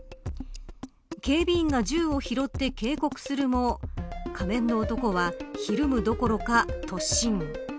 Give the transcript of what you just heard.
警備員が銃を拾って警告するも仮面の男はひるむどころか突進。